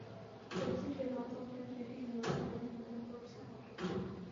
本届选拔总选举并没有任何电影院作现场直播。